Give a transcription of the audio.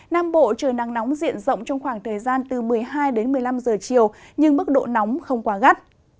nam bộ trời nắng nóng diện rộng trong khoảng thời gian từ một mươi hai đến một mươi năm giờ chiều nhưng mức độ nóng không quá gắt